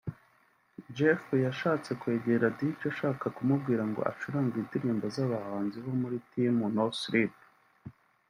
Jeff yashatse kwegera Dj ashaka kumubwira ngo acurange indirimbo z’abahanzi bo muri Team No Sleep